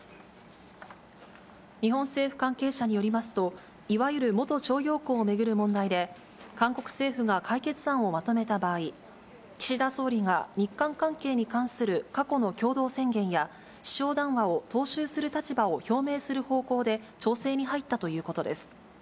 日本政府関係者によりますと、いわゆる元徴用工を巡る問題で、韓国政府が解決案をまとめた場合、岸田総理が日韓関係に関する過去の共同宣言や首相談話を踏襲する立場を表明する方向で、調整に入ったということです。